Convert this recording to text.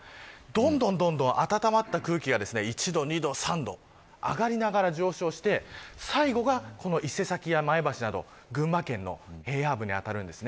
どんどんどんどん暖まった空気が１度、２度、３度上がりながら上昇して最後が伊勢崎や前橋など群馬県の平野部に当たるんです。